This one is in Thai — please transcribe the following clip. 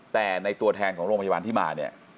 แต่ในตัวแทนของโรงพยาบาลที่มาเนี่ย